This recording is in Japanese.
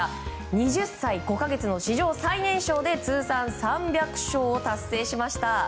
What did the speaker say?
２０歳５か月の史上最年少で通算３００勝を達成しました。